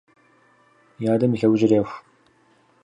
И адэм и лъэужьыр еху.